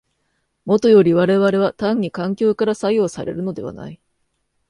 もとより我々は単に環境から作用されるのではない。